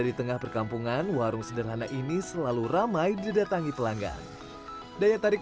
di tengah perkampungan warung sederhana ini selalu ramai didatangi pelanggan daya tarik